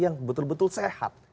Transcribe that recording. yang betul betul sehat